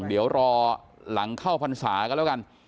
เดี๋ยวรอหลังเข้าพรรษากันแล้วกัน